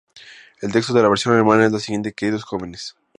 El texto de la versión alemana es la siguiente: "Queridos jóvenes!